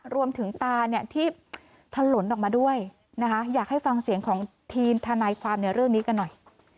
รวมถึงตาเนี่ยที่ถลนออกมาด้วยนะคะอยากให้ฟังเสียงของทีมทนายความในเรื่องนี้กันหน่อย